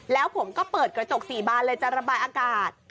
แล้วผมก็เปิดกระจก๔บานเลยจะระบายอากาศ